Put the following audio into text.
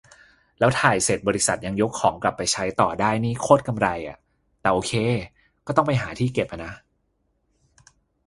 แล้วถ่ายเสร็จบริษัทยังยกของกลับไปใช้ต่อได้นี่โคตรกำไรอะ แต่โอเค ก็ต้องไปหาที่เก็บอะนะ